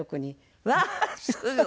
うわーすごい！